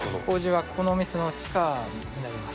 糀はここのお店の地下になります。